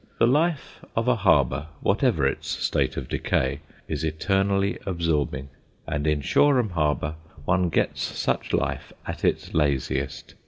The life of a harbour, whatever its state of decay, is eternally absorbing; and in Shoreham harbour one gets such life at its laziest.